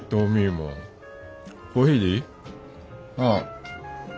ああ。